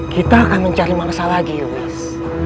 kita akan mencari mansa lagi ois